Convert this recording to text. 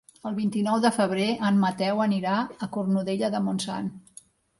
El vint-i-nou de febrer en Mateu anirà a Cornudella de Montsant.